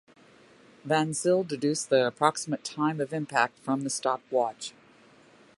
Van Zyl deduced the approximate time of impact from the stopped watch.